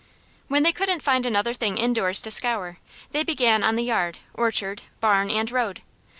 When they couldn't find another thing indoors to scour, they began on the yard, orchard, barn and road.